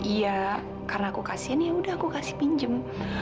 iya karena aku kasian yaudah aku kasih pinjem